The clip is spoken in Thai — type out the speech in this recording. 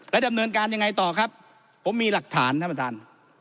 ดำเนินการยังไงต่อครับผมมีหลักฐานท่านประธาน